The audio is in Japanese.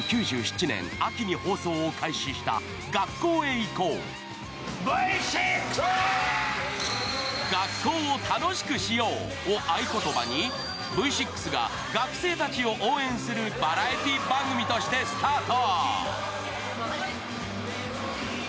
学校を楽しくしようを合言葉にＶ６が学生たちを応援するバラエティー番組としてスタート。